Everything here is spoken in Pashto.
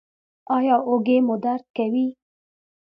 ایا اوږې مو درد کوي؟